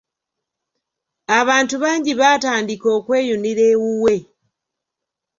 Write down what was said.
Abantu bangi baatandika okweyunira ewuwe.